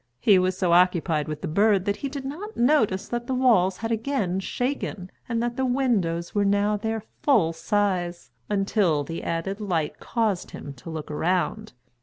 He was so occupied with the bird that he did not notice that the walls had again shaken and that the windows were now their full size, until the added light caused him to look around.